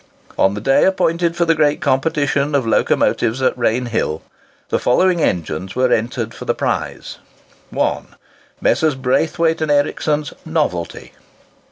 On the day appointed for the great competition of locomotives at Rainhill, the following engines were entered for the prize:— 1. Messrs. Braithwaite and Ericsson's "Novelty."